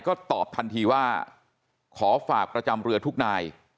ก็ตอบทันทีว่าขอฝากประจำเรือทุกนาย